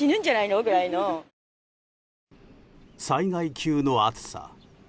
災害級の暑さ。